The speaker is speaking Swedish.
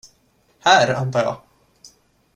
Här, antar jag.